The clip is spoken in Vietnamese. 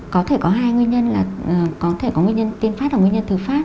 có thể có hai nguyên nhân là có thể có nguyên nhân tiên phát và nguyên nhân thứ phát